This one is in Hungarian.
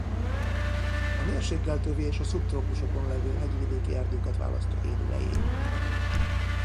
A mérsékelt övi és a szubtrópusokon levő hegyvidéki erdőket választja élőhelyéül.